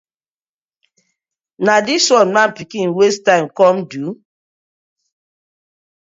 Na dis one man pikin waste time kom do?